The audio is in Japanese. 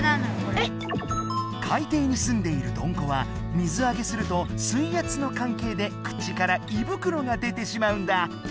海底に住んでいるどんこは水あげすると水圧の関係で口から胃袋が出てしまうんだ。